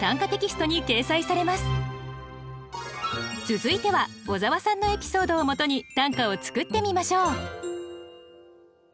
続いては小沢さんのエピソードをもとに短歌を作ってみましょう。